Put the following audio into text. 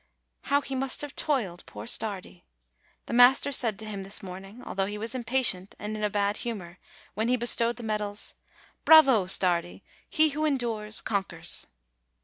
How he must have toiled, poor Stardi ! The master said to him this morning, although he was impatient and in a bad humor, when he bestowed the medals : 82 DECEMBER ''Bravo, Stardi! he who endures, conquers."